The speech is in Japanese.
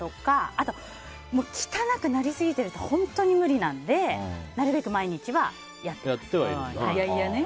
あと、汚くなりすぎてると本当に無理なのでなるべく毎日はやっています。